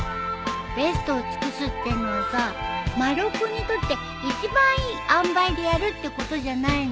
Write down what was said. ベストを尽くすってのはさ丸尾君にとって一番いいあんばいでやるってことじゃないの？